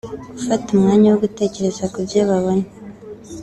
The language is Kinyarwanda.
gufata umwanya wo gutekereza ku byo babona